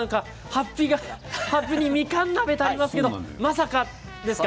はっぴがはっぴに「みかん鍋」とありますけど、まさかですか？